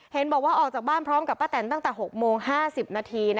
เห็นบอกว่าออกจากบ้านพร้อมกับป้าแตนตั้งแต่๖โมง๕๐นาที